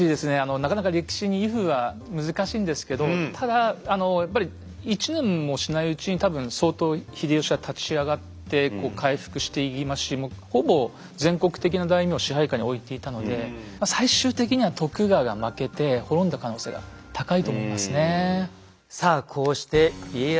なかなか歴史にＩＦは難しいんですけどただやっぱり１年もしないうちに多分相当秀吉は立ち上がってこう回復していきますしもうほぼ全国的な大名を支配下に置いていたので最終的にはと思いますね。